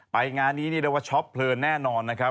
ไปงานนี้เนี่ยเราก็ช็อปเพลินแน่นอนนะครับ